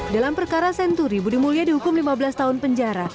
dalam perkara senturi budi mulya dihukum lima belas tahun penjara